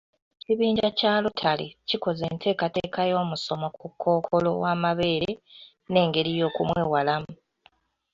Ekibinja kya lotale kikoze enteekateeka y'omusomo ku kkookolo w'amabeere n'engeri y'okumwewalamu.